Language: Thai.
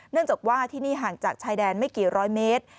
เนื่องจากว่าที่นี่ห่างจากชายแดนไม่กี่ร้อยเมตร